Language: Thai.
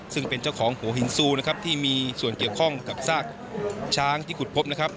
ซึ่งเป็นเจ้าของหัวหินซูนะครับที่มีส่วนเกี่ยวข้องกับซากช้างที่ขุดพบนะครับ